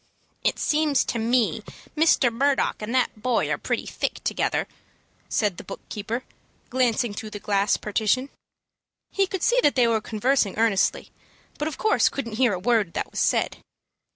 "It seems to me Mr. Murdock and that boy are pretty thick together," said the book keeper, glancing through the glass partition. He could see that they were conversing earnestly, but of course couldn't hear a word that was said.